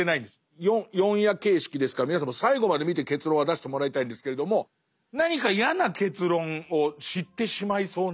４夜形式ですから皆さんも最後まで見て結論は出してもらいたいんですけれども何か嫌な結論を知ってしまいそうな感じ。